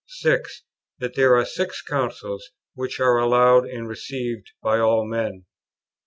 6. That there are Six Councils which are allowed and received by all men.